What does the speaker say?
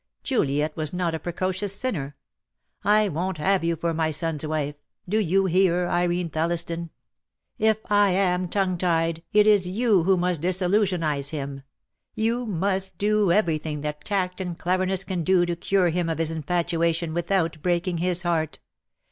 Juliet was not a precocious sinner. I won't have you for my son's wife. Do you hear, Irene Thelliston? If I am tongue tied, it is you who must disillusionise him. You must do everything that tact and cleverness can do to cure him of his infatuation without breaking his heart.